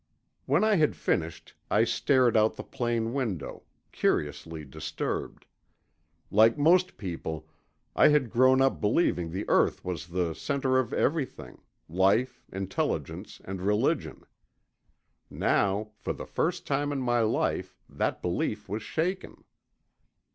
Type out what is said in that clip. When I had finished, I stared out the plane window, curiously disturbed. Like most people, I had grown up believing the earth was the center of everything—life, intelligence, and religion. Now, for the first time in my life, that belief was shaken.